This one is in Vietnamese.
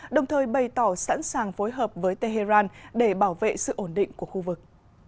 đồng thời bày tỏ sẵn sàng phối hợp với tehran để bảo vệ sự ổn định của khu vực